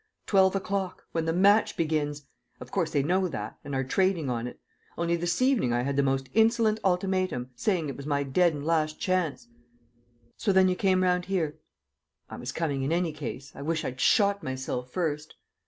Twelve o'clock, when the match begins! Of course they know that, and are trading on it. Only this evening I had the most insolent ultimatum, saying it was my 'dead and last chance.'" "So then you came round here?" "I was coming in any case. I wish I'd shot myself first!"